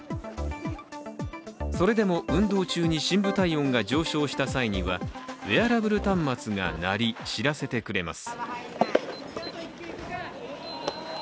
それでも運動中に深部体温が上昇した際にはウェアラブル端末が鳴り知らせてくれます。